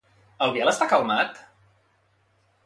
El Biel està calmat?